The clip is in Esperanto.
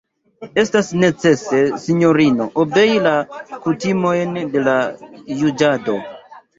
Estas necese, sinjorino, obei la kutimojn de la juĝado.